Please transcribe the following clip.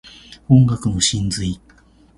音楽の真髄